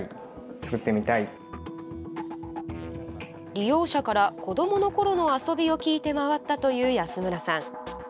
利用者から子どものころの遊びを聞いて回ったという安村さん。